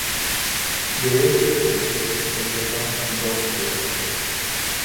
De este ejercicio conservamos dos textos.